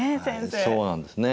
はいそうなんですね。